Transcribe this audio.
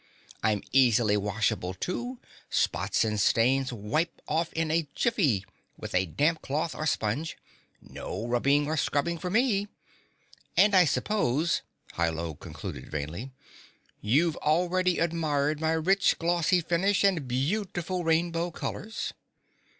I'm easily washable, too; spots and stains wipe off in a jiffy with a damp cloth or sponge no rubbing or scrubbing for me! And I suppose," Hi Lo concluded vainly, "you've already admired my rich, glossy finish and beautiful rainbow colors."